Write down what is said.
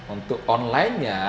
untuk online nya